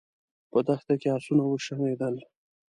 په دښته کې آسونه وشڼېدل.